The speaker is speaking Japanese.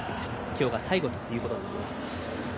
今日が最後ということになります。